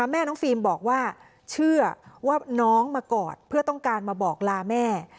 แม่น้องฟิล์มบอกว่าเชื่อว่าน้องมากอดเพื่อต้องการมาบอกลาแม่